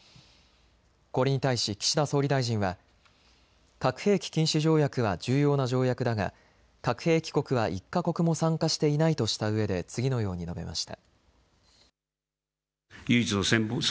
これに対し岸田総理大臣は核兵器禁止条約は重要な条約だが核兵器国は１か国も参加していないとしたうえで次のように述べました。